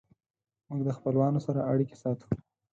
موږ د خپلوانو سره اړیکې ساتو.